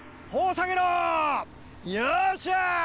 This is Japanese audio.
よっしゃ！